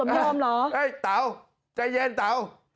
ไม่ยอมเหรอเอ้ยเต๋าใจเย็นเต๋า